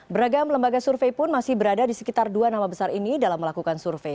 beragam lembaga survei pun masih berada di sekitar dua nama besar ini dalam melakukan survei